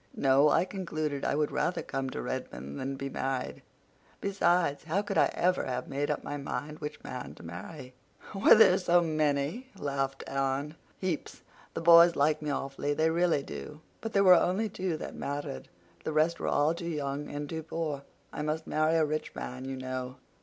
No, I concluded I would rather come to Redmond than be married. Besides, how could I ever have made up my mind which man to marry?" "Were there so many?" laughed Anne. "Heaps. The boys like me awfully—they really do. But there were only two that mattered. The rest were all too young and too poor. I must marry a rich man, you know."